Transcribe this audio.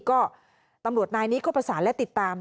ก็ตำรวจนายนี้ก็ประสานและติดตาม